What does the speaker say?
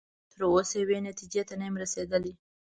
تر اوسه یوې نتیجې ته نه یم رسیدلی.